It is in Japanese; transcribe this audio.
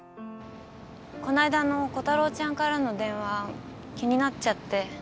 この間のコタローちゃんからの電話気になっちゃって。